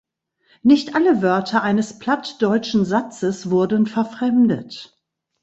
Nicht alle Wörter eines plattdeutschen Satzes wurden verfremdet.